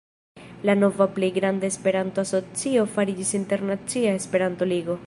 La nova plej granda Esperanto-asocio fariĝis Internacia Esperanto-Ligo.